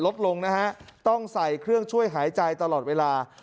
ลดลงนะฮะต้องใส่เครื่องช่วยหายใจตลอดเวลา